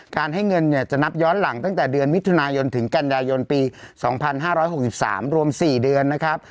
ให้เงินเนี่ยจะนับย้อนหลังตั้งแต่เดือนมิถุนายนถึงกันยายนปี๒๕๖๓รวม๔เดือนนะครับ